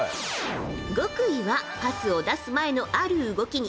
極意はパスを出す前のある動きに。